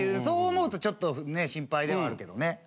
そう思うとちょっとね心配ではあるけどね。